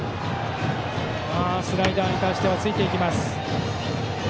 スライダーに対してはついていきます。